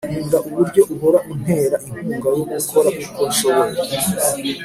nkunda uburyo uhora untera inkunga yo gukora uko nshoboye